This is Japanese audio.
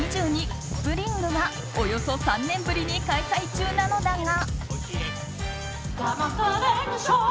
ＳＰＲＩＮＧがおよそ３年ぶりに開催中なのだが。